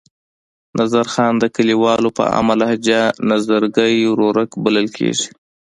نظرخان د کلیوالو په عامه لهجه نظرګي ورورک بلل کېږي.